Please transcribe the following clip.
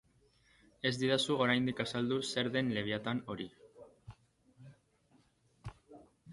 Ez didazu oraindik azaldu zer den Leviatan hori.